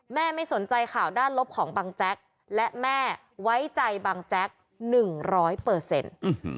ไม่สนใจข่าวด้านลบของบังแจ๊กและแม่ไว้ใจบังแจ๊กหนึ่งร้อยเปอร์เซ็นต์